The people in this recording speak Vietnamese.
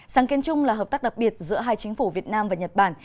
sáng kiến chung là hợp tác đặc biệt giữa hai chính phủ việt nam và nhật bản